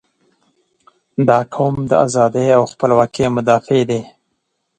• دا قوم د ازادۍ او خپلواکۍ مدافع دی.